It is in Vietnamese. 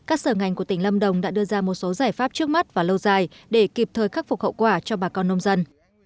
các sở ngành của tỉnh lâm đồng đã đưa ra một số giải pháp trước mắt và lâu dài để kịp thời khắc phục hậu quả cho bà con nông dân